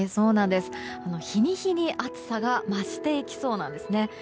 日に日に暑さが増していきそうなんですね。